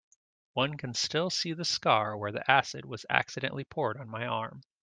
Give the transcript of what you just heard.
One can still see the scar where the acid was accidentally poured on my arm.